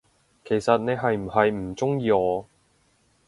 其實你係唔係唔鍾意我，？